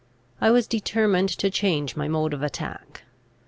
I was determined to change my mode of attack.